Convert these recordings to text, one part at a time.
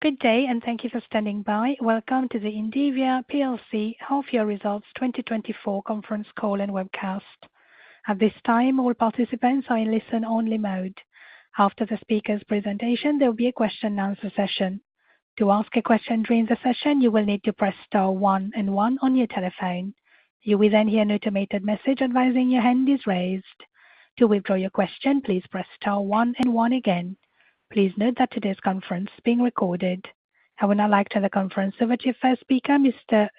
Good day, and thank you for standing by. Welcome to the Indivior PLC Half Year Results 2024 conference call and webcast. At this time, all participants are in listen-only mode. After the speaker's presentation, there will be a question and answer session. To ask a question during the session, you will need to press star one and one on your telephone. You will then hear an automated message advising your hand is raised. To withdraw your question, please press star one and one again. Please note that today's conference is being recorded. I would now like to turn the conference over to your first speaker,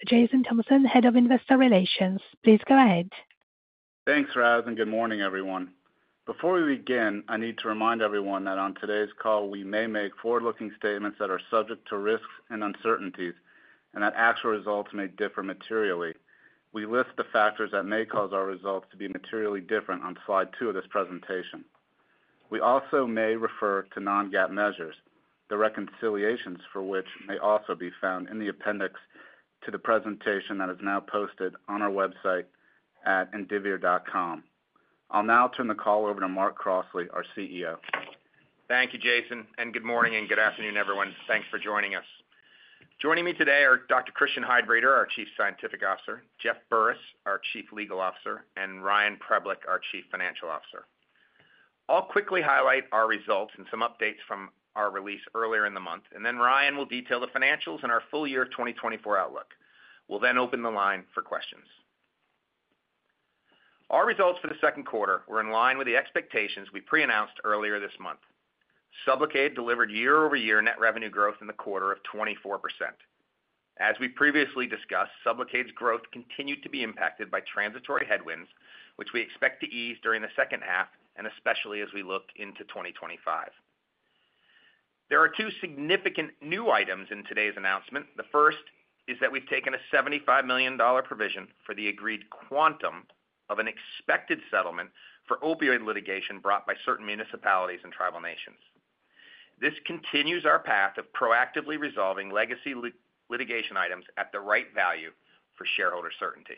Jason Thompson, Head of Investor Relations. Please go ahead. Thanks, Raz, and good morning, everyone. Before we begin, I need to remind everyone that on today's call, we may make forward-looking statements that are subject to risks and uncertainties, and that actual results may differ materially. We list the factors that may cause our results to be materially different on slide two of this presentation. We also may refer to non-GAAP measures, the reconciliations for which may also be found in the appendix to the presentation that is now posted on our website at indivior.com. I'll now turn the call over to Mark Crossley, our CEO. Thank you, Jason, and good morning and good afternoon, everyone. Thanks for joining us. Joining me today are Christian Heidbreder, our Chief Scientific Officer, Jeff Burris, our Chief Legal Officer, and Ryan Preblick, our Chief Financial Officer. I'll quickly highlight our results and some updates from our release earlier in the month, and then Ryan will detail the financials and our full year 2024 outlook. We'll then open the line for questions. Our results for the Q2 were in line with the expectations we pre-announced earlier this month. SUBLOCADE delivered year-over-year net revenue growth in the quarter of 24%. As we previously discussed, SUBLOCADE's growth continued to be impacted by transitory headwinds, which we expect to ease during the second half and especially as we look into 2025. There are two significant new items in today's announcement. The first is that we've taken a $75 million provision for the agreed quantum of an expected settlement for opioid litigation brought by certain municipalities and tribal nations. This continues our path of proactively resolving legacy litigation items at the right value for shareholder certainty.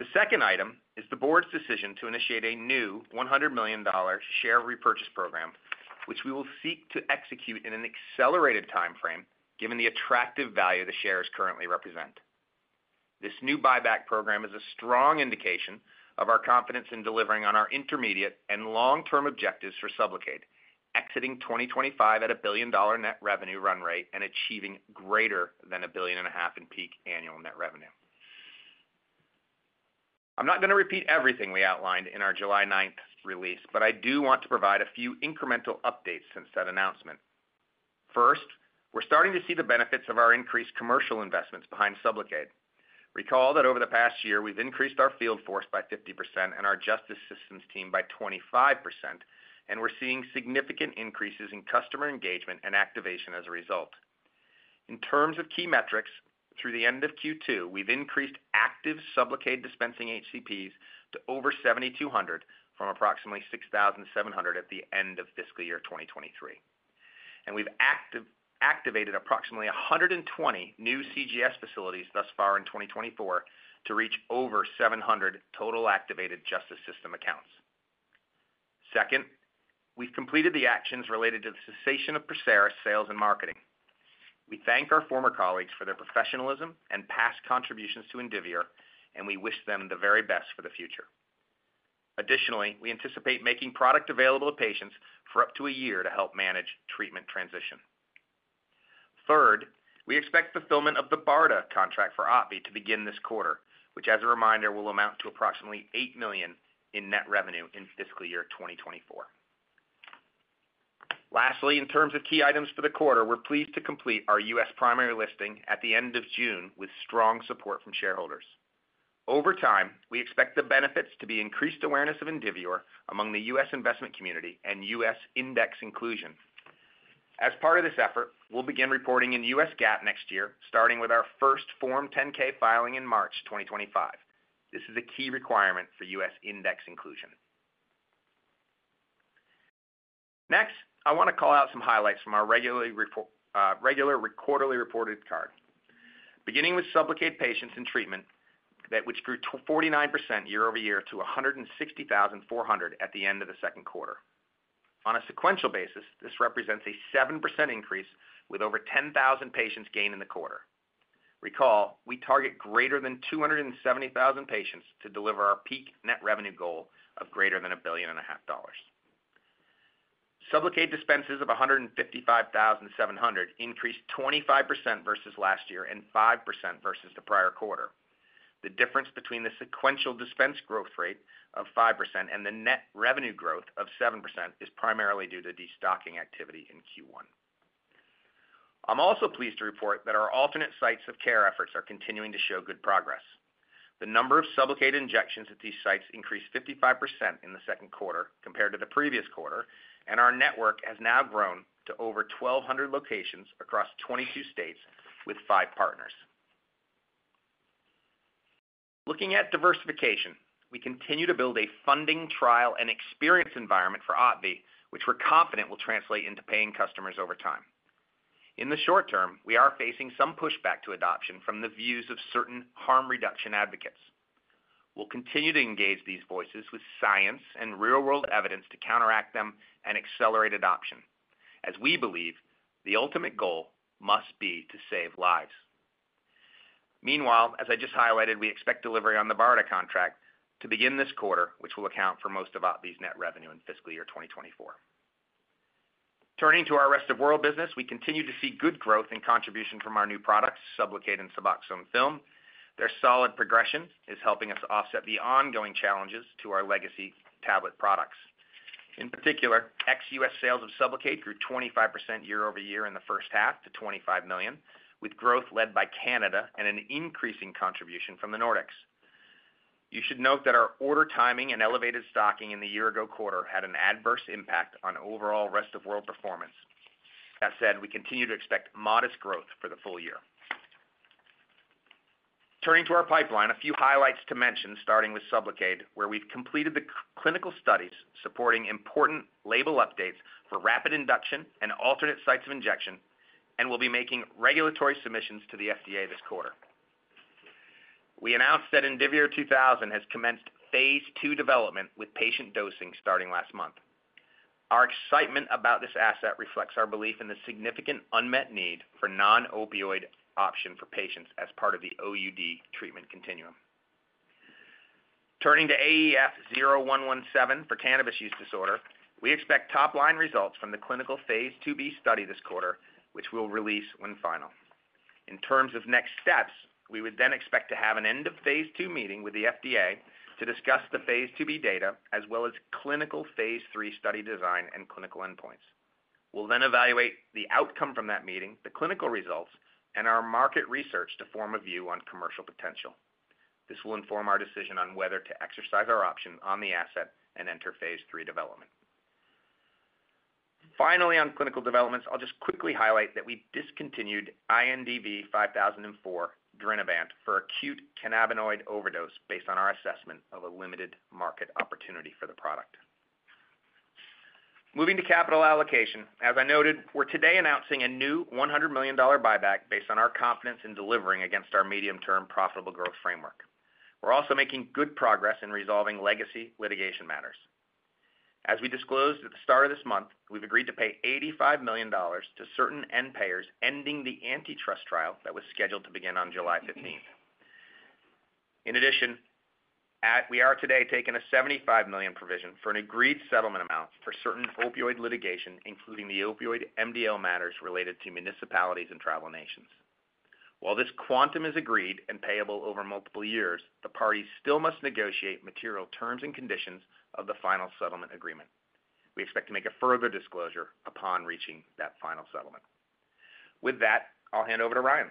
The second item is the board's decision to initiate a new $100 million share repurchase program, which we will seek to execute in an accelerated timeframe, given the attractive value the shares currently represent. This new buyback program is a strong indication of our confidence in delivering on our intermediate and long-term objectives for SUBLOCADE, exiting 2025 at a billion-dollar net revenue run rate and achieving greater than $1.5 billion in peak annual net revenue. I'm not gonna repeat everything we outlined in our July 9th release, but I do want to provide a few incremental updates since that announcement. First, we're starting to see the benefits of our increased commercial investments behind SUBLOCADE. Recall that over the past year, we've increased our field force by 50% and our justice systems team by 25%, and we're seeing significant increases in customer engagement and activation as a result. In terms of key metrics, through the end of Q2, we've increased active SUBLOCADE dispensing HCPs to over 7,200 from approximately 6,700 at the end of fiscal year 2023. And we've activated approximately 120 new CJS facilities thus far in 2024 to reach over 700 total activated justice system accounts. Second, we've completed the actions related to the cessation of PERSERIS sales and marketing. We thank our former colleagues for their professionalism and past contributions to Indivior, and we wish them the very best for the future. Additionally, we anticipate making product available to patients for up to a year to help manage treatment transition. Third, we expect fulfillment of the BARDA contract for OPVEE to begin this quarter, which, as a reminder, will amount to approximately $8 million in net revenue in fiscal year 2024. Lastly, in terms of key items for the quarter, we're pleased to complete our U.S. primary listing at the end of June with strong support from shareholders. Over time, we expect the benefits to be increased awareness of Indivior among the U.S. investment community and U.S. index inclusion. As part of this effort, we'll begin reporting in U.S. GAAP next year, starting with our first Form 10-K filing in March 2025. This is a key requirement for U.S. index inclusion. Next, I wanna call out some highlights from our regular quarterly report card. Beginning with SUBLOCADE patients in treatment, that which grew to 49% year-over-year to 160,400 at the end of the Q2. On a sequential basis, this represents a 7% increase, with over 10,000 patients gained in the quarter. Recall, we target greater than 270,000 patients to deliver our peak net revenue goal of greater than $1.5 billion. SUBLOCADE dispenses of 155,700 increased 25% versus last year and 5% versus the prior quarter. The difference between the sequential dispense growth rate of 5% and the net revenue growth of 7% is primarily due to destocking activity in Q1. I'm also pleased to report that our alternate sites of care efforts are continuing to show good progress. The number of SUBLOCADE injections at these sites increased 55% in the Q2 compared to the previous quarter, and our network has now grown to over 1,200 locations across 22 states with five partners. Looking at diversification, we continue to build a funding, trial, and experience environment for OPVEE, which we're confident will translate into paying customers over time. In the short term, we are facing some pushback to adoption from the views of certain harm reduction advocates. We'll continue to engage these voices with science and real-world evidence to counteract them and accelerate adoption, as we believe the ultimate goal must be to save lives. Meanwhile, as I just highlighted, we expect delivery on the BARDA contract to begin this quarter, which will account for most of our net revenue in fiscal year 2024. Turning to our rest of world business, we continue to see good growth and contribution from our new products, SUBLOCADE and Suboxone Film. Their solid progression is helping us offset the ongoing challenges to our legacy tablet products. In particular, ex-US sales of SUBLOCADE grew 25% year-over-year in the first half to $25 million, with growth led by Canada and an increasing contribution from the Nordics. You should note that our order timing and elevated stocking in the year ago quarter had an adverse impact on overall rest of world performance. That said, we continue to expect modest growth for the full year. Turning to our pipeline, a few highlights to mention, starting with SUBLOCADE, where we've completed the clinical studies supporting important label updates for rapid induction and alternate sites of injection, and we'll be making regulatory submissions to the FDA this quarter. We announced that INDV-2000 has commenced phase II development, with patient dosing starting last month. Our excitement about this asset reflects our belief in the significant unmet need for non-opioid option for patients as part of the OUD treatment continuum. Turning to AEF0117 for cannabis use disorder, we expect top line results from the clinical phase IIB study this quarter, which we'll release when final. In terms of next steps, we would then expect to have an end of phase II meeting with the FDA to discuss the phase IIB data, as well as clinical phase III study design and clinical endpoints. We'll then evaluate the outcome from that meeting, the clinical results, and our market research to form a view on commercial potential. This will inform our decision on whether to exercise our option on the asset and enter phase III development. Finally, on clinical developments, I'll just quickly highlight that we discontinued INDV-5004, drinabant for acute cannabinoid overdose, based on our assessment of a limited market opportunity for the product. Moving to capital allocation, as I noted, we're today announcing a new $100 million buyback based on our confidence in delivering against our medium-term profitable growth framework. We're also making good progress in resolving legacy litigation matters. As we disclosed at the start of this month, we've agreed to pay $85 million to certain end payers, ending the antitrust trial that was scheduled to begin on July 15th. In addition, we are today taking a $75 million provision for an agreed settlement amount for certain opioid litigation, including the opioid MDL matters related to municipalities and tribal nations. While this quantum is agreed and payable over multiple years, the parties still must negotiate material terms and conditions of the final settlement agreement. We expect to make a further disclosure upon reaching that final settlement. With that, I'll hand over to Ryan.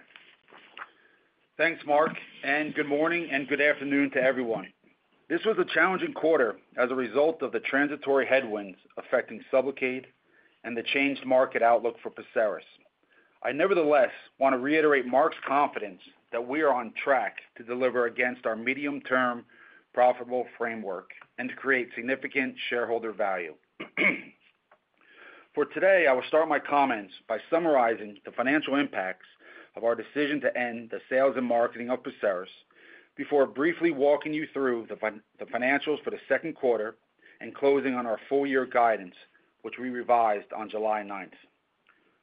Thanks, Mark, and good morning and good afternoon to everyone. This was a challenging quarter as a result of the transitory headwinds affecting SUBLOCADE and the changed market outlook for PERSERIS. I nevertheless want to reiterate Mark's confidence that we are on track to deliver against our medium-term profitable framework and to create significant shareholder value. For today, I will start my comments by summarizing the financial impacts of our decision to end the sales and marketing of PERSERIS, before briefly walking you through the financials for the Q2 and closing on our full year guidance, which we revised on July 9th.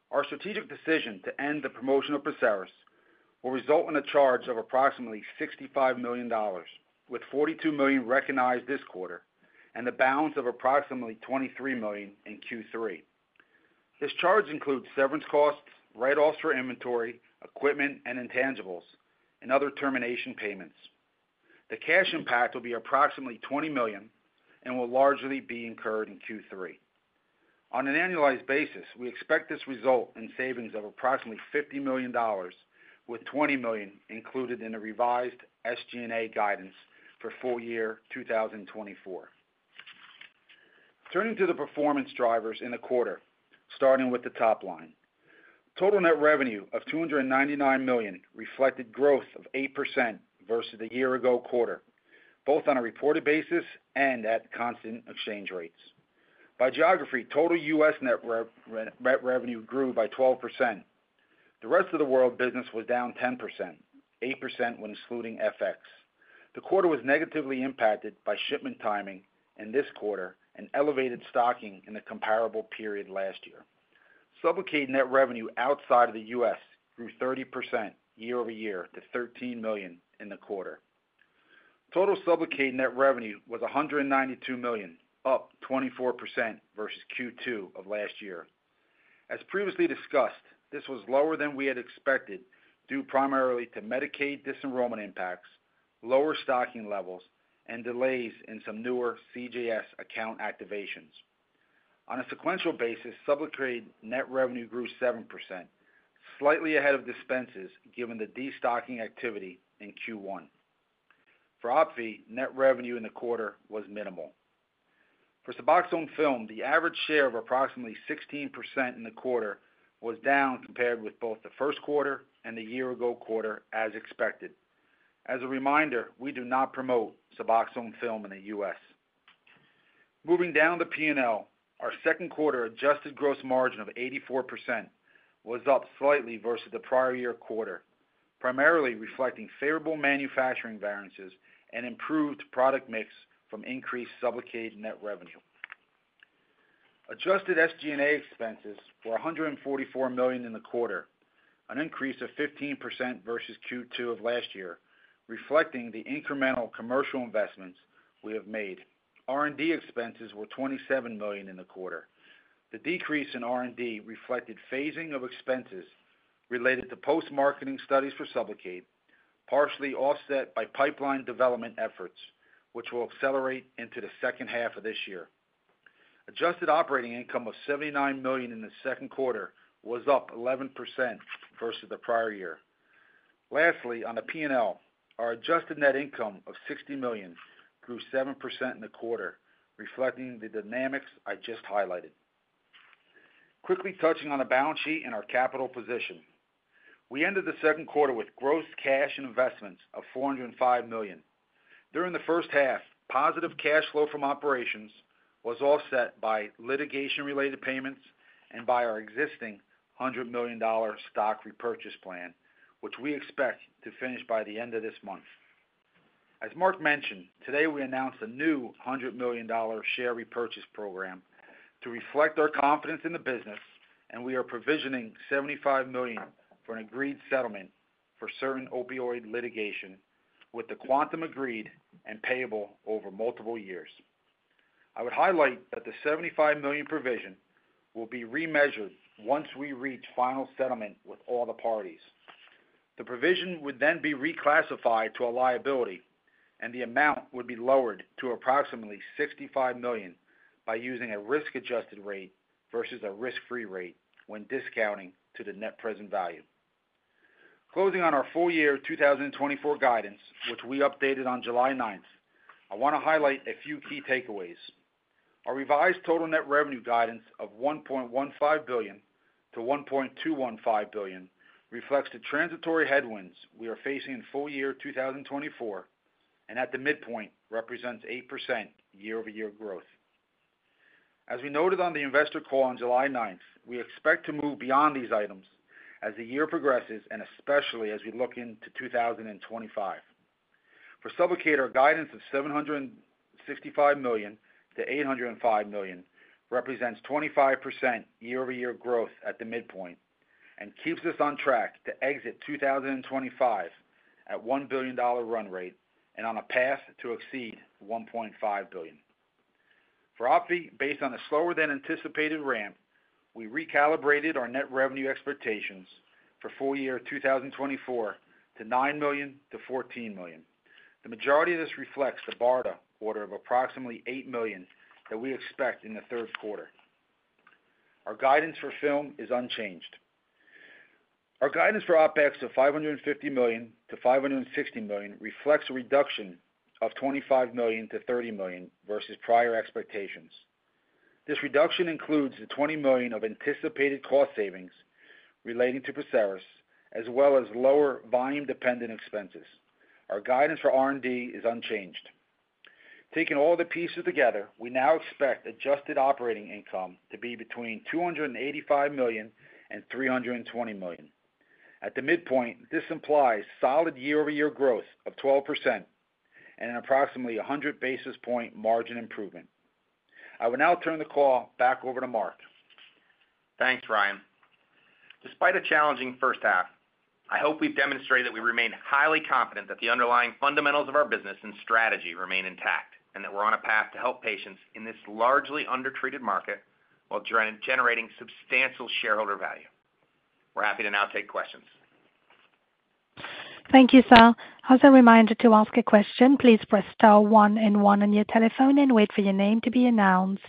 Our strategic decision to end the promotion of PERSERIS will result in a charge of approximately $65 million, with $42 million recognized this quarter and the balance of approximately $23 million in Q3. This charge includes severance costs, write-offs for inventory, equipment, and intangibles, and other termination payments. The cash impact will be approximately $20 million and will largely be incurred in Q3. On an annualized basis, we expect this result in savings of approximately $50 million, with $20 million included in the revised SG&A guidance for full year 2024. Turning to the performance drivers in the quarter, starting with the top line. Total net revenue of $299 million reflected growth of 8% versus the year ago quarter, both on a reported basis and at constant exchange rates. By geography, total U.S. net revenue grew by 12%. The rest of the world business was down 10%, 8% when excluding FX. The quarter was negatively impacted by shipment timing in this quarter and elevated stocking in the comparable period last year. SUBLOCADE net revenue outside of the U.S. grew 30% year-over-year to $13 million in the quarter. Total SUBLOCADE net revenue was $192 million, up 24% versus Q2 of last year. As previously discussed, this was lower than we had expected, due primarily to Medicaid disenrollment impacts, lower stocking levels, and delays in some newer CJS account activations. On a sequential basis, SUBLOCADE net revenue grew 7%, slightly ahead of dispenses, given the destocking activity in Q1. For OPVEE, net revenue in the quarter was minimal. For Suboxone Film, the average share of approximately 16% in the quarter was down compared with both the Q1 and the year ago quarter, as expected. As a reminder, we do not promote Suboxone Film in the U.S. Moving down the P&L, our Q2 adjusted gross margin of 84% was up slightly versus the prior year quarter, primarily reflecting favorable manufacturing variances and improved product mix from increased SUBLOCADE net revenue. Adjusted SG&A expenses were $144 million in the quarter, an increase of 15% versus Q2 of last year, reflecting the incremental commercial investments we have made. R&D expenses were $27 million in the quarter. The decrease in R&D reflected phasing of expenses related to post-marketing studies for SUBLOCADE, partially offset by pipeline development efforts, which will accelerate into the second half of this year. Adjusted operating income of $79 million in the Q2 was up 11% versus the prior year. Lastly, on the P&L, our adjusted net income of $60 million grew 7% in the quarter, reflecting the dynamics I just highlighted. Quickly touching on the balance sheet and our capital position. We ended the Q2 with gross cash and investments of $405 million. During the first half, positive cash flow from operations was offset by litigation-related payments and by our existing $100 million stock repurchase plan, which we expect to finish by the end of this month. As Mark mentioned, today, we announced a new $100 million share repurchase program to reflect our confidence in the business, and we are provisioning $75 million for an agreed settlement for certain opioid litigation with the quantum agreed and payable over multiple years. I would highlight that the $75 million provision will be remeasured once we reach final settlement with all the parties. The provision would then be reclassified to a liability, and the amount would be lowered to approximately $65 million by using a risk-adjusted rate versus a risk-free rate when discounting to the net present value. Closing on our full year 2024 guidance, which we updated on July 9th, I want to highlight a few key takeaways. Our revised total net revenue guidance of $1.15 billion to $1.215 billion reflects the transitory headwinds we are facing in full year 2024, and at the midpoint, represents 8% year-over-year growth. As we noted on the investor call on July 9, we expect to move beyond these items as the year progresses, and especially as we look into 2025. For SUBLOCADE, our guidance of $765 million to $805 million represents 25% year-over-year growth at the midpoint and keeps us on track to exit 2025 at $1 billion run rate and on a path to exceed $1.5 billion. For OPVEE, based on a slower than anticipated ramp, we recalibrated our net revenue expectations for full year 2024 to $9 million to $14 million. The majority of this reflects the BARDA order of approximately $8 million that we expect in the Q3. Our guidance for film is unchanged. Our guidance for OpEx of $550 million to $560 million reflects a reduction of $25 million to $30 million versus prior expectations. This reduction includes the $20 million of anticipated cost savings relating to PERSERIS, as well as lower volume-dependent expenses. Our guidance for R&D is unchanged. Taking all the pieces together, we now expect adjusted operating income to be between $285 million and $320 million. At the midpoint, this implies solid year-over-year growth of 12% and an approximately a hundred basis point margin improvement. I will now turn the call back over to Mark. Thanks, Ryan. Despite a challenging first half, I hope we've demonstrated that we remain highly confident that the underlying fundamentals of our business and strategy remain intact, and that we're on a path to help patients in this largely undertreated market while generating substantial shareholder value. We're happy to now take questions. Thank you, sir. As a reminder to ask a question, please press star one and one on your telephone and wait for your name to be announced.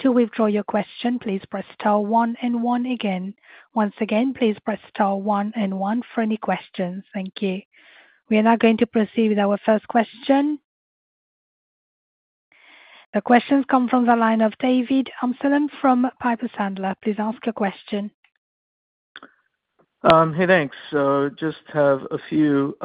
To withdraw your question, please press star one and one again. Once again, please press star one and one for any questions. Thank you. We are now going to proceed with our first question. The questions come from the line of David Amsellem from Piper Sandler. Please ask a question. Hey, thanks. So just have a few.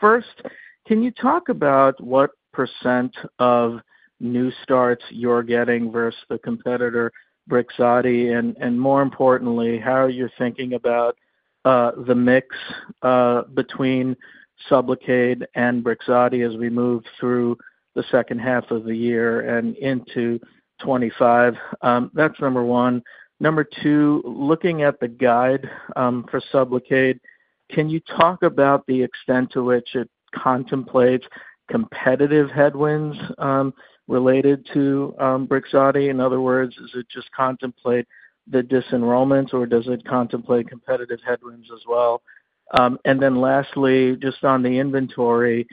First, can you talk about what % of new starts you're getting versus the competitor BRIXADI, and more importantly, how you're thinking about the mix between SUBLOCADE and BRIXADI as we move through the H2 of the year and into 2025? That's number one. Number two, looking at the guide for SUBLOCADE, can you talk about the extent to which it contemplates competitive headwinds related to BRIXADI? In other words, does it just contemplate the disenrollment, or does it contemplate competitive headwinds as well? And then lastly, just on the inventory,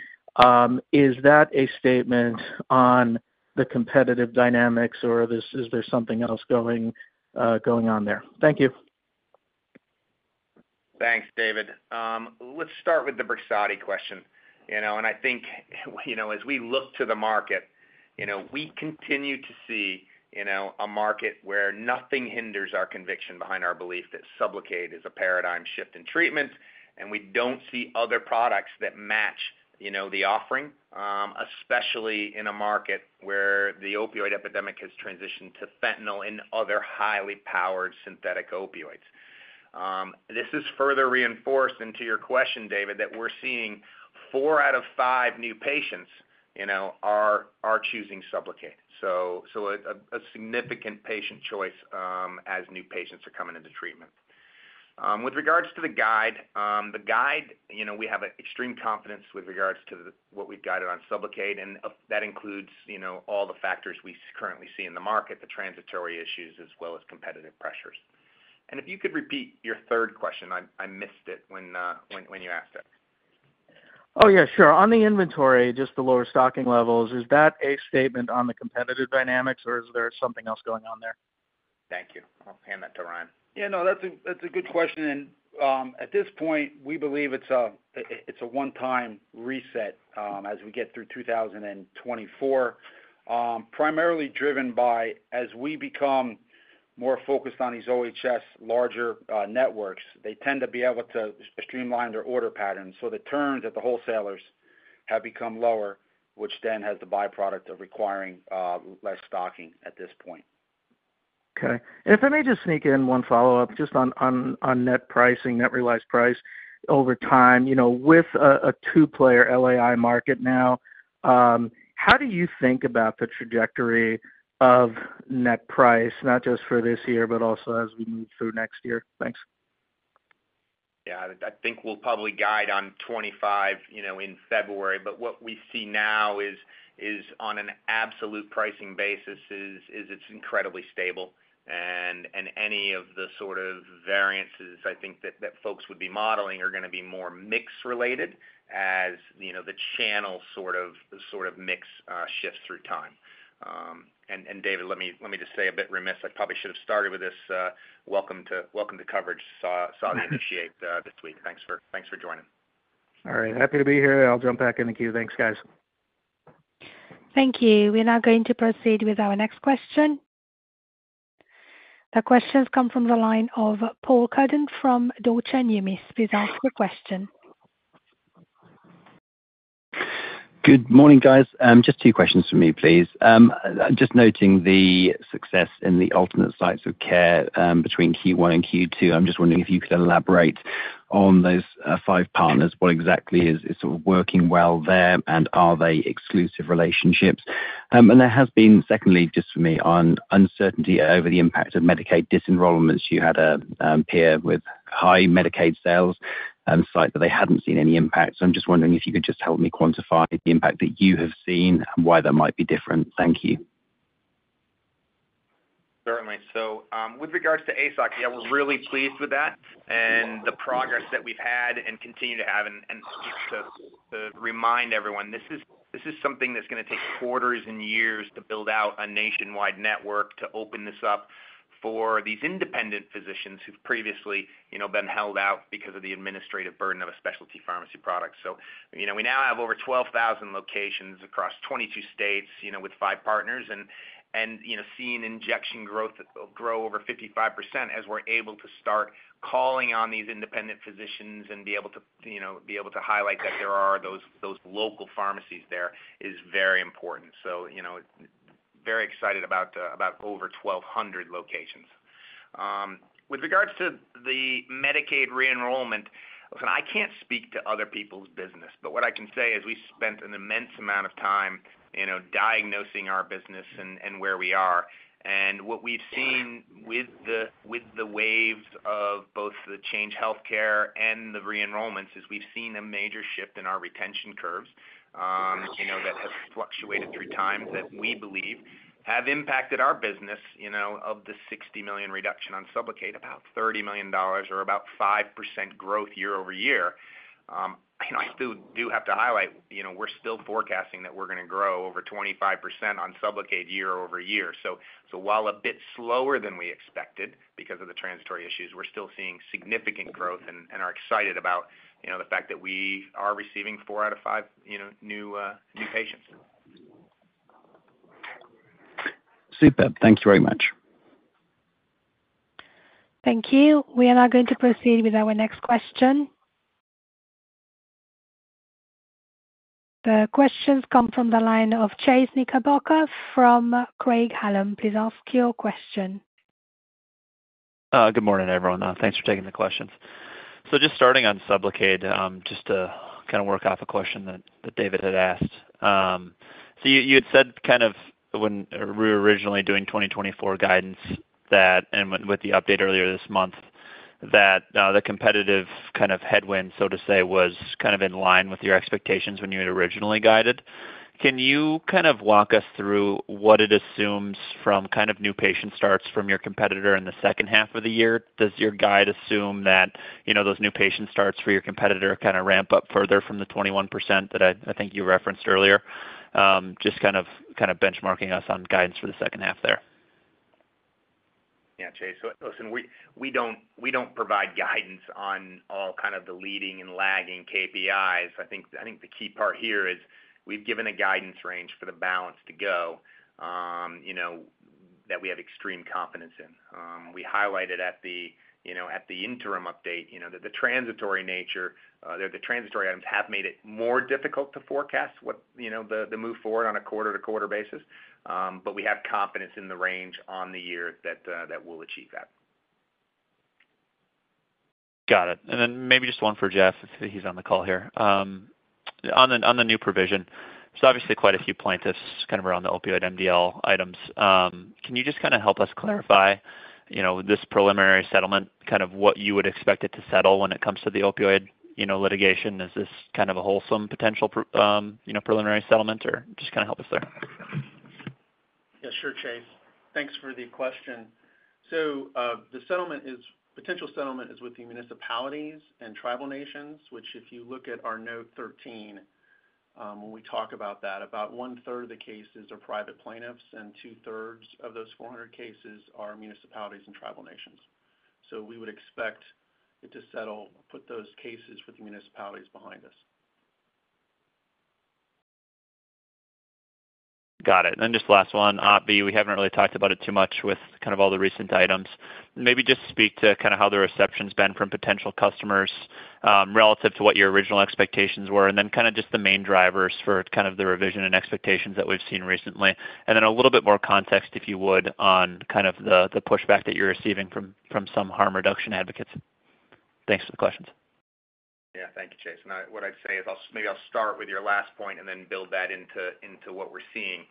is that a statement on the competitive dynamics, or is there something else going on there? Thank you. Thanks, David. Let's start with the BRIXADI question. I think, you know, as we look to the market, you know, we continue to see a market where nothing hinders our conviction behind our belief that SUBLOCADE is a paradigm shift in treatment, and we don't see other products that match, you know, the offering, especially in a market where the opioid epidemic has transitioned to fentanyl and other highly powered synthetic opioids. This is further reinforced into your question, David, that we're seeing four out of five new patients, you know, are choosing SUBLOCADE. So, a significant patient choice, as new patients are coming into treatment. With regards to the guide, the guide, you know, we have an extreme confidence with regards to what we've guided on SUBLOCADE, and that includes, you know, all the factors we currently see in the market, the transitory issues, as well as competitive pressures. If you could repeat your third question, I missed it when you asked it. Oh, yeah, sure. On the inventory, just the lower stocking levels, is that a statement on the competitive dynamics, or is there something else going on there? Thank you. I'll hand that to Ryan. Yeah, that's a good question. At this point, we believe it's a one-time reset, as we get through 2024. Primarily driven by, as we become more focused on these OHS larger networks, they tend to be able to streamline their order patterns. The turns at the wholesalers have become lower, which then has the byproduct of requiring, less stocking at this point. Okay. And if I may just sneak in one follow-up, just on net pricing, net realized price over time, you know, with two-player LAI market now, how do you think about the trajectory of net price, not just for this year, but also as we move through next year? Thanks. Yeah. I think we'll probably guide on $25, you know, in February. But what we see now is on an absolute pricing basis, it's incredibly stable. And any of the sort of variances, I think that folks would be modeling are gonna be more mix related, as you know, the channel sort of mix shifts through time. And David, let me just say I'm a bit remiss. I probably should have started with this. Welcome to coverage, saw the initiation this week. Thanks for joining. All right. Happy to be here. I'll jump back in the queue. Thanks, guys. Thank you. We're now going to proceed with our next question. The question's come from the line of Paul Cuddon from Deutsche Numis. Please ask your question. Good morning, guys. Just two questions from me, please. Just noting the success in the Alternate Sites of Care, between Q1 and Q2, I'm just wondering if you could elaborate on those five partners. What exactly is working well there, and are they exclusive relationships? And there has been, secondly, just for me, on uncertainty over the impact of Medicaid disenrollments. You had a peer with high Medicaid sales and that they hadn't seen any impact. So I'm just wondering if you could just help me quantify the impact that you have seen and why that might be different. Thank you. Certainly. So, with regards to ASC, yeah, we're really pleased with that and the progress that we've had and continue to have. And just to remind everyone, this is something that's gonna take quarters and years to build out a nationwide network to open this up for these independent physicians who've previously, you know, been held out because of the administrative burden of a specialty pharmacy product. So, you know, we now have over 12,000 locations across 22 states, you know, with 5 partners and, you know, seeing injection growth grow over 55% as we're able to start calling on these independent physicians and be able to highlight that there are those local pharmacies there is very important. So, you know, very excited about about over 1,200 locations. With regards to the Medicaid re-enrollment, I can't speak to other people's business, but what I can say is we spent an immense amount of time, you know, diagnosing our business and where we are. And what we've seen with the waves of both the Change Healthcare and the re-enrollments, is we've seen a major shift in our retention curves, you know, that has fluctuated through times that we believe have impacted our business, you know, of the $60 million reduction on SUBLOCADE, about $30 million or about 5% growth year-over-year. You know, I still do have to highlight, you know, we're still forecasting that we're gonna grow over 25% on SUBLOCADE year-over-year. So, while a bit slower than we expected because of the transitory issues, we're still seeing significant growth and are excited about, you know, the fact that we are receiving four out of five, you know, new patients. Superb. Thank you very much. Thank you. We are now going to proceed with our next question. The question comes from the line of Chase Knickerbocker from Craig-Hallum. Please ask your question. Good morning, everyone. Thanks for taking the questions. So just starting on SUBLOCADE, just to kind of work off a question that David had asked. So you had said kind of when we were originally doing 2024 guidance, and with the update earlier this month, that the competitive kind of headwind, so to say, was kind of in line with your expectations when you had originally guided. Can you kind of walk us through what it assumes from kind of new patient starts from your competitor in the H2 of the year? Does your guide assume that, you know, those new patient starts for your competitor kind of ramp up further from the 21% that I think you referenced earlier? Just kind of benchmarking us on guidance for the second half there. Yeah, Chase, so listen, we don't provide guidance on all kind of the leading and lagging KPIs. I think the key part here is we've given a guidance range for the balance to go, you know, that we have extreme confidence in. We highlighted, you know, at the interim update, you know, that the transitory items have made it more difficult to forecast what, you know, the move forward on a quarter-to-quarter basis, but we have confidence in the range on the year that we'll achieve that. Got it. And then maybe just one for Jeff, if he's on the call here. On the new provision, so obviously, quite a few plaintiffs kind of around the opioid MDL items. Can you just kind of help us clarify, you know, this preliminary settlement, kind of what you would expect it to settle when it comes to the opioid, you know, litigation? Is this kind of a wholesale potential preliminary settlement, or just kind of help us there? Yeah, sure, Chase. Thanks for the question. So, the potential settlement is with the municipalities and tribal nations, which if you look at our note 13, when we talk about that, about 1/3 of the cases are private plaintiffs, and 2/3 of those 400 cases are municipalities and tribal nations. So we would expect it to settle, put those cases with the municipalities behind us. Got it, and then just last one, obviously, we haven't really talked about it too much with kind of all the recent items. Maybe just speak to kind of how the reception's been from potential customers relative to what your original expectations were, and then kind of just the main drivers for kind of the revision and expectations that we've seen recently. And then a little bit more context, if you would, on kind of the pushback that you're receiving from some harm reduction advocates. Thanks for the questions. Yeah. Thank you, Chase. What I'd say is I'll maybe start with your last point and then build that into what we're seeing.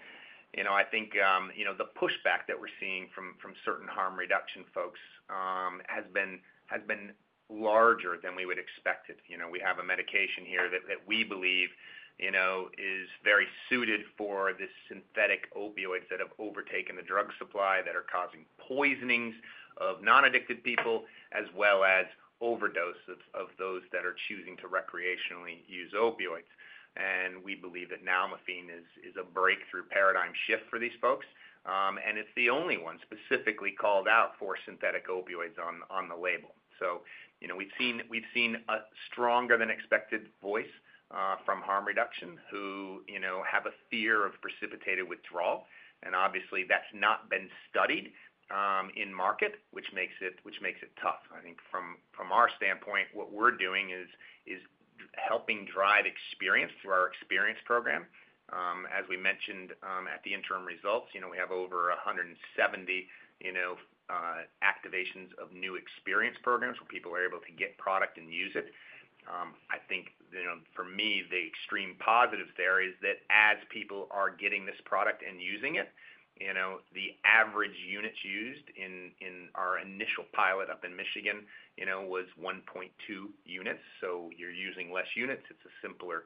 You know, I think, you know, the pushback that we're seeing from certain harm reduction folks has been larger than we would expected. You know, we have a medication here that we believe, you know, is very suited for this synthetic opioids that have overtaken the drug supply, that are causing poisonings of non-addicted people, as well as overdoses of those that are choosing to recreationally use opioids. And we believe that nalmefene is a breakthrough paradigm shift for these folks. And it's the only one specifically called out for synthetic opioids on the label. So, you know, we've seen a stronger than expected voice from harm reduction, who, you know, have a fear of precipitated withdrawal, and obviously, that's not been studied in market, which makes it tough. I think, from our standpoint, what we're doing is, is helping drive experience through our experience program. As we mentioned, at the interim results, you know, we have over 170, you know, activations of new experience programs, where people are able to get product and use it. I think, you know, for me, the extreme positives there is that as people are getting this product and using it, you know, the average units used in our initial pilot up in Michigan, you know, was 1.2 units, so you're using less units. It's a simpler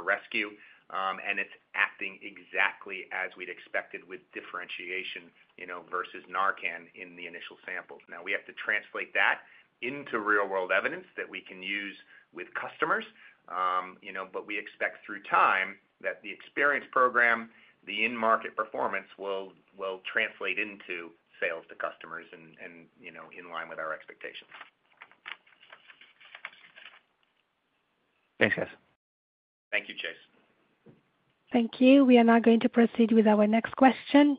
rescue, and it's acting exactly as we'd expected with differentiation, you know, versus Narcan in the initial samples. Now, we have to translate that into real-world evidence that we can use with customers. You know, but we expect through time that the experience program, the in-market performance, will translate into sales to customers and, you know, in line with our expectations. Thanks, guys. Thank you, Chase. Thank you. We are now going to proceed with our next question.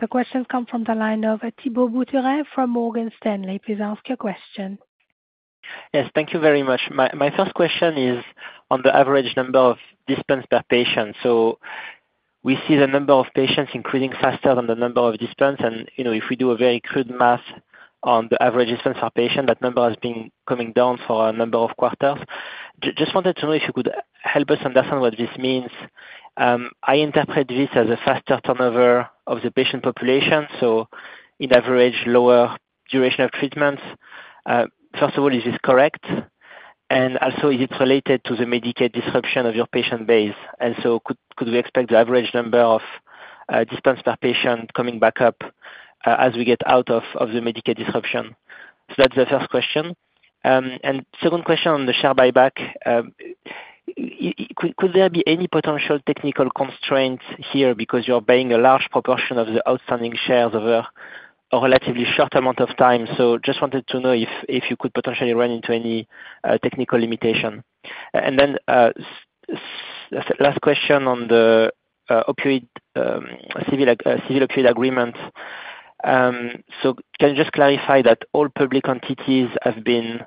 The question comes from the line of Thibault Boutherin from Morgan Stanley. Please ask your question. Yes, thank you very much. My first question is on the average number of dispense per patient. So we see the number of patients increasing faster than the number of dispense, and, you know, if we do a very crude math on the average dispense per patient, that number has been coming down for a number of quarters. Just wanted to know if you could help us understand what this means? I interpret this as a faster turnover of the patient population, so in average, lower duration of treatments. First of all, is this correct? And also, is it related to the Medicaid disruption of your patient base? And so could we expect the average number of dispense per patient coming back up as we get out of the Medicaid disruption? So that's the first question. Second question on the share buyback. Could there be any potential technical constraints here because you're buying a large proportion of the outstanding shares over a relatively short amount of time? Just wanted to know if you could potentially run into any technical limitation. Then last question on the civil opioid agreement. Can you just clarify that all public entities have been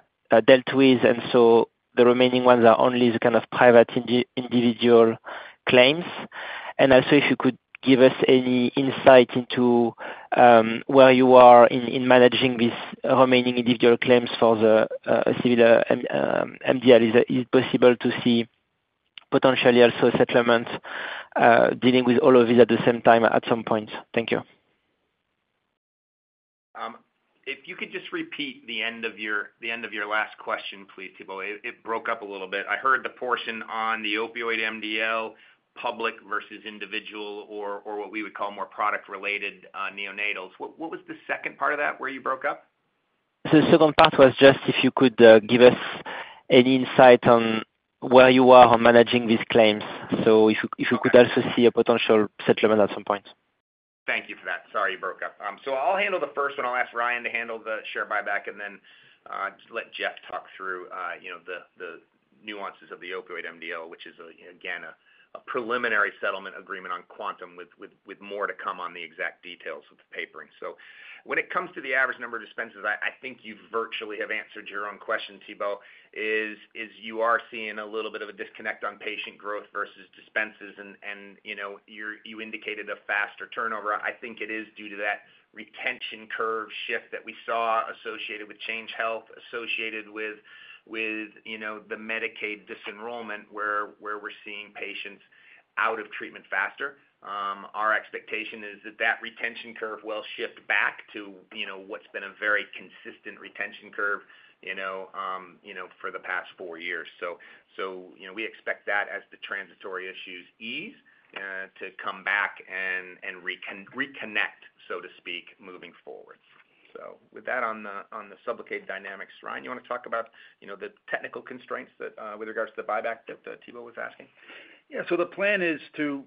dealt with, and so the remaining ones are only the kind of private individual claims? Also, if you could give us any insight into where you are in managing these remaining individual claims for the opioid MDL. Is it possible to see potentially also settlements dealing with all of these at the same time, at some point? Thank you. If you could just repeat the end of your last question, please, Thibault. It, it broke up a little bit. I heard the portion on the opioid MDL, public versus individual, or what we would call more product-related, neonatal. What was the second part of that, where you broke up? So the second part was just if you could give us any insight on where you are on managing these claims. So if you could also see a potential settlement at some point? Thank you for that. Sorry, you broke up. So I'll handle the first one. I'll ask Ryan to handle the share buyback, and then just let Jeff talk through, you know, the nuances of the opioid MDL, which is, again a preliminary settlement agreement on quantum, with more to come on the exact details of the papering. So when it comes to the average number of dispenses, I think you virtually have answered your own question, Thibault, is you are seeing a little bit of a disconnect on patient growth versus dispenses, and you know, you're indicated a faster turnover. I think it is due to that retention curve shift that we saw associated with Change Healthcare, associated with, you know, the Medicaid disenrollment, where we're seeing patients out of treatment faster. Our expectation is that that retention curve will shift back to, you know, what's been a very consistent retention curve, you know, for the past four years. So, you know, we expect that as the transitory issues ease to come back and reconnect, so to speak, moving forward. So with that on the on the SUBLOCADE dynamics, Ryan, you want to talk about, you know, the technical constraints that with regards to the buyback that Thibault was asking? Yeah. So the plan is to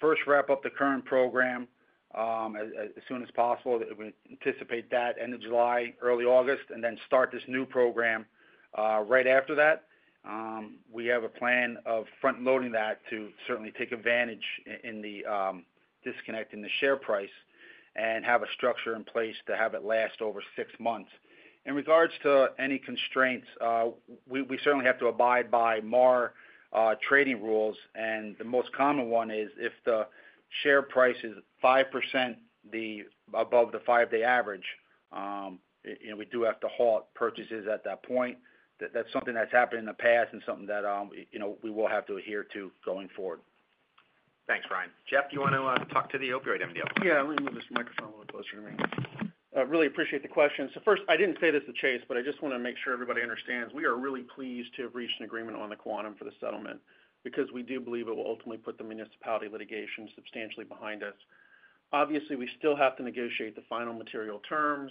first wrap up the current program as soon as possible. We anticipate that end of July, early August, and then start this new program right after that. We have a plan of front loading that to certainly take advantage in the disconnect in the share price and have a structure in place to have it last over six months. In regards to any constraints, we certainly have to abide by MAR trading rules, and the most common one is if the share price is 5% above the five-day average, you know, we do have to halt purchases at that point. That's something that's happened in the past and something that, you know, we will have to adhere to going forward. Thanks, Ryan. Jeff, do you want to talk to the opioid MDL? Yeah, let me move this microphone a little closer to me. I really appreciate the question. So first, I didn't say this to Chase, but I just want to make sure everybody understands, we are really pleased to have reached an agreement on the quantum for the settlement, because we do believe it will ultimately put the municipalities litigation substantially behind us. Obviously, we still have to negotiate the final material terms,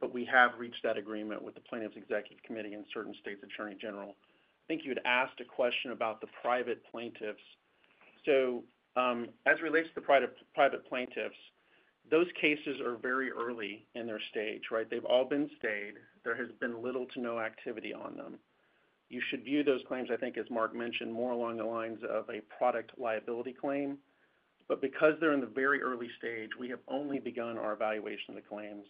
but we have reached that agreement with the plaintiffs' executive committee and certain state attorneys general. I think you had asked a question about the private plaintiffs. So, as it relates to the private plaintiffs, those cases are very early in their stage, right? They've all been stayed. There has been little to no activity on them. You should view those claims, I think, as Mark mentioned, more along the lines of a product liability claim. But because they're in the very early stage, we have only begun our evaluation of the claims.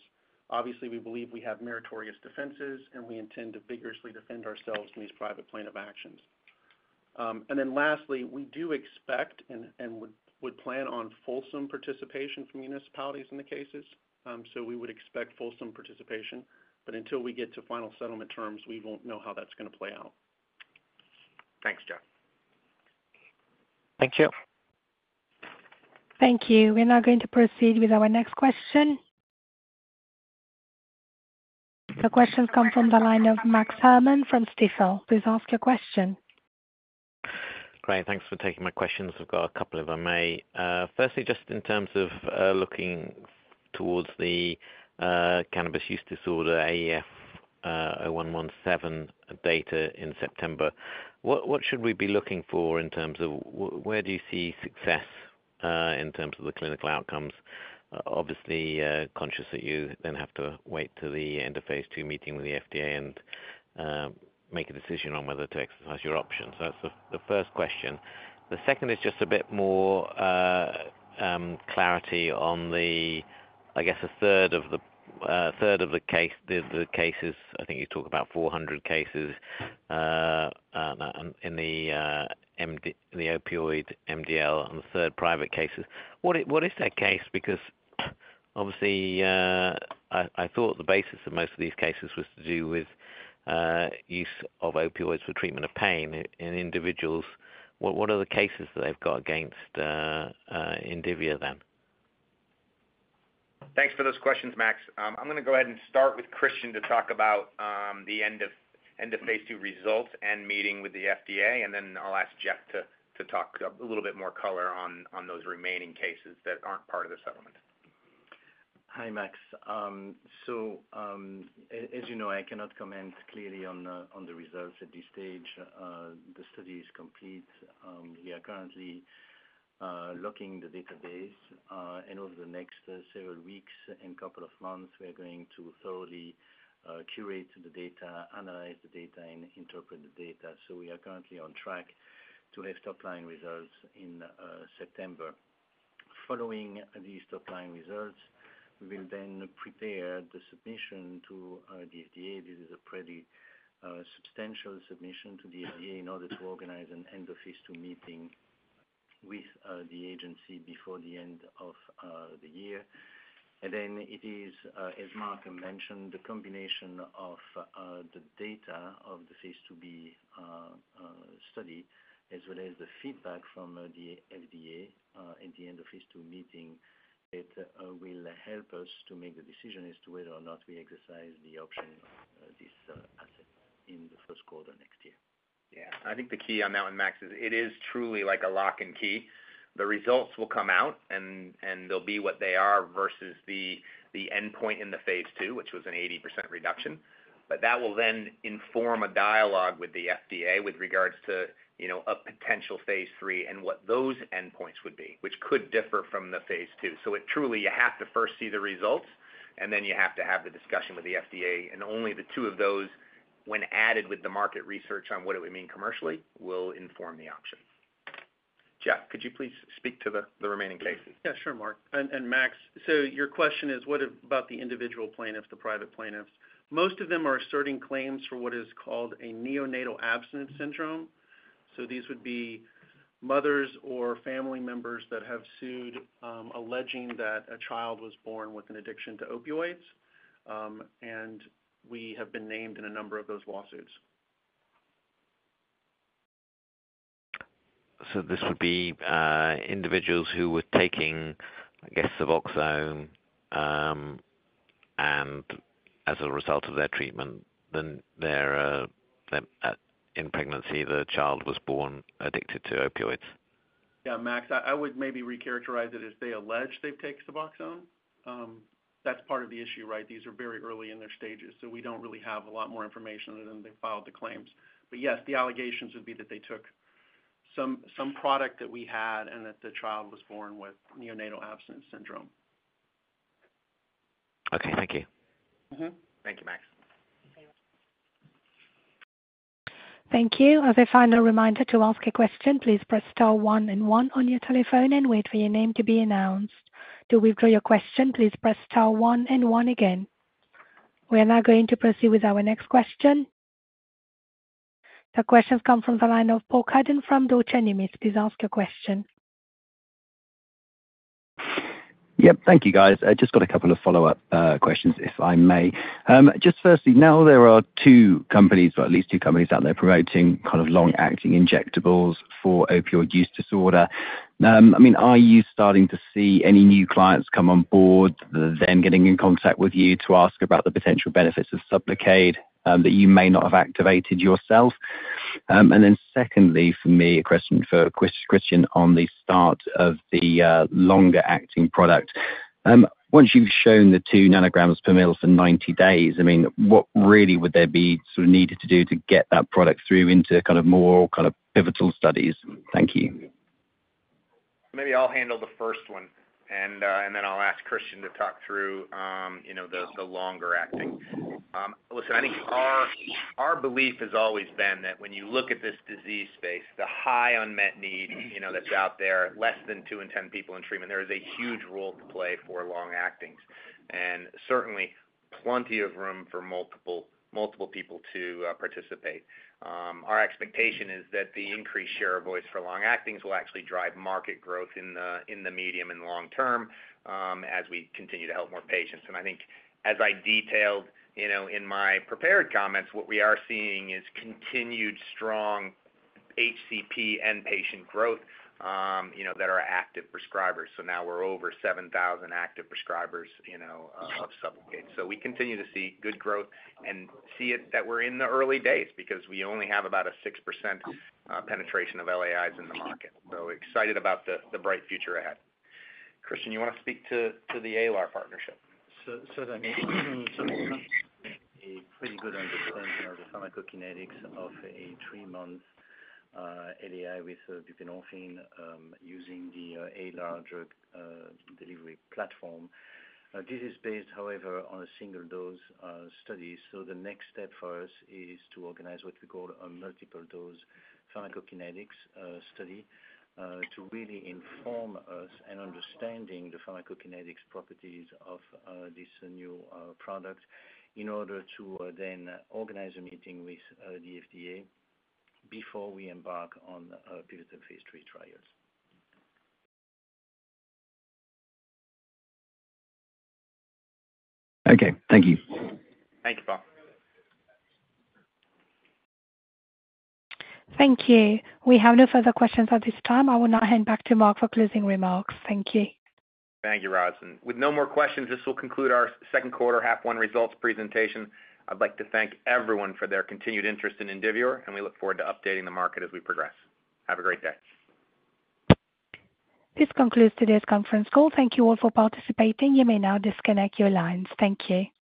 Obviously, we believe we have meritorious defenses, and we intend to vigorously defend ourselves in these private plaintiff actions. And then lastly, we do expect and would plan on fulsome participation from municipalities in the cases. So we would expect fulsome participation, but until we get to final settlement terms, we won't know how that's going to play out. Thanks, Jeff. Thank you. Thank you. We're now going to proceed with our next question. The question comes from the line of Max Herrmann from Stifel. Please ask your question. Great, thanks for taking my questions. I've got a couple, if I may. First, firstly, just in terms of looking towards the cannabis use disorder, AEF0117 data in September, what should we be looking for in terms of where do you see success in terms of the clinical outcomes? Obviously, conscious that you then have to wait till the end of phase II, meeting with the FDA and make a decision on whether to exercise your options. So that's the first question. The second is just a bit more clarity on the, I guess, a third of the cases. I think you talk about 400 cases in the opioid MDL and the third private cases. What is that case? Because obviously, I thought the basis of most of these cases was to do with use of opioids for treatment of pain in individuals. What are the cases that they've got against Indivior then? Thanks for those questions, Max. I'm going to go ahead and start with Christian to talk about the end of phase II results and meeting with the FDA, and then I'll ask Jeff to talk a little bit more color on those remaining cases that aren't part of the settlement. Hi, Max. So, as you know, I cannot comment clearly on the results at this stage. The study is complete. We are currently locking the database, and over the next several weeks and couple of months, we are going to thoroughly curate the data, analyze the data, and interpret the data. So we are currently on track to have top-line results in September. Following these top-line results, we will then prepare the submission to the FDA. This is a pretty substantial submission to the FDA in order to organize an end-of-phase II meeting with the agency before the end of the year. Then it is, as Mark mentioned, the combination of the data of the phase IIb study, as well as the feedback from the FDA at the end of phase II meeting. It will help us to make the decision as to whether or not we exercise the option or not in the Q1 next year. Yeah, I think the key on that one, Max, is it is truly like a lock and key. The results will come out, and they'll be what they are versus the endpoint in the phase II, which was an 80% reduction. But that will then inform a dialogue with the FDA with regards to, you know, a potential phase III and what those endpoints would be, which could differ from the phase II. So it truly, you have to first see the results, and then you have to have the discussion with the FDA, and only the two of those, when added with the market research on what do we mean commercially, will inform the option. Jeff, could you please speak to the remaining cases? Yeah, sure, Mark. Max, so your question is, what about the individual plaintiffs, the private plaintiffs? Most of them are asserting claims for what is called a neonatal abstinence syndrome. So these would be mothers or family members that have sued, alleging that a child was born with an addiction to opioids. And we have been named in a number of those lawsuits. So this would be individuals who were taking, I guess, Suboxone, and as a result of their treatment, in pregnancy, the child was born addicted to opioids? Yeah, Max, I would maybe recharacterize it as they allege they've taken Suboxone. That's part of the issue, right? These are very early in their stages, so we don't really have a lot more information other than they filed the claims. But yes, the allegations would be that they took some product that we had and that the child was born with neonatal abstinence syndrome. Okay, thank you. Mm-hmm. Thank you, Max. Thank you. As a final reminder to ask a question, please press star one and one on your telephone and wait for your name to be announced. To withdraw your question, please press star one and one again. We are now going to proceed with our next question. The question comes from the line of Paul Cuddon from Deutsche Numis. Please ask your question. Yep. Thank you, guys. I just got a couple of follow-up questions, if I may. Just firstly, now there are two companies, or at least two companies out there promoting kind of long-acting injectables for opioid use disorder. I mean, are you starting to see any new clients come on board, them getting in contact with you to ask about the potential benefits of SUBLOCADE, that you may not have activated yourself? And then secondly, for me, a question for Christian on the start of the longer acting product. Once you've shown the 2 nanograms per ml for 90 days, I mean, what really would there be sort of needed to do to get that product through into kind of more kind of pivotal studies? Thank you. Maybe I'll handle the first one, and then I'll ask Christian to talk through, you know, the longer acting. Listen, I think our belief has always been that when you look at this disease space, the high unmet need, you know, that's out there, less than two in 10 people in treatment, there is a huge role to play for long-actings, and certainly plenty of room for multiple people to participate. Our expectation is that the increased share of voice for long-actings will actually drive market growth in the medium and long term, as we continue to help more patients. And I think as I detailed, you know, in my prepared comments, what we are seeing is continued strong HCP and patient growth, you know, that are active prescribers. So now we're over 7,000 active prescribers, you know, of SUBLOCADE. So we continue to see good growth and see that we're in the early days because we only have about a 6% penetration of LAIs in the market. So excited about the bright future ahead. Christian, you want to speak to the Alar partnership? So then a pretty good understanding of the pharmacokinetics of a three-month LAI with buprenorphine, using the Alar drug delivery platform. This is based, however, on a single dose study. So the next step for us is to organize what we call a multiple dose pharmacokinetics study to really inform us and understanding the pharmacokinetics properties of this new product in order to then organize a meeting with the FDA before we embark on pivotal phase three trials. Okay. Thank you. Thank you, Paul. Thank you. We have no further questions at this time. I will now hand back to Mark for closing remarks. Thank you. Thank you, Raz. With no more questions, this will conclude our Q2 half one results presentation. I'd like to thank everyone for their continued interest in Indivior, and we look forward to updating the market as we progress. Have a great day. This concludes today's conference call. Thank you all for participating. You may now disconnect your lines. Thank you.